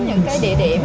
những cái địa điểm